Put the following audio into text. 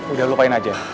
udah lupain aja